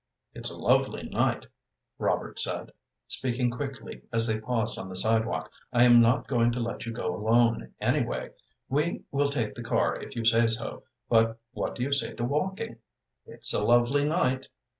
"It's a lovely night," Robert said, speaking quickly as they paused on the sidewalk. "I am not going to let you go alone, anyway. We will take the car if you say so, but what do you say to walking? It's a lovely night."